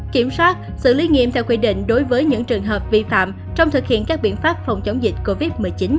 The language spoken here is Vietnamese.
kiểm soát xử lý nghiêm theo quy định đối với những trường hợp vi phạm trong thực hiện các biện pháp phòng chống dịch covid một mươi chín